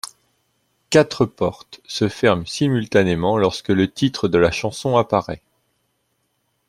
Quatre portes se ferment simultanément lorsque le titre de la chanson apparaît.